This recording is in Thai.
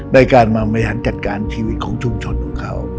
ในการมาบริหารจัดการชีวิตของชุมชนของเขา